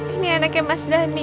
ini anaknya mas dhani